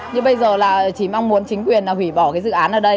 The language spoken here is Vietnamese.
như bây giờ là chỉ mong muốn chính quyền là hủy bỏ cái dự án ở đây